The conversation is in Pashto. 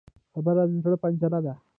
خبره د زړه پنجره ده